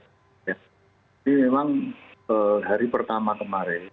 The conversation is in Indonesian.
ini memang hari pertama kemarin